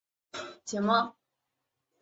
填漆工艺在明朝和清朝越趋成熟。